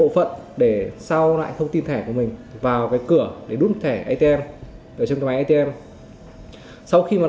và để cóp vào máy tính